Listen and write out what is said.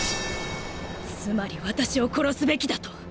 つまり私を殺すべきだと？